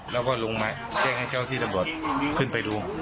แล้วก็ลงมาแจ้งให้เจ้าที่ตำรวจขึ้นไปดู